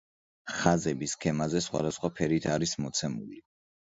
ხაზები სქემაზე სხვადასხვა ფერით არის მოცემული.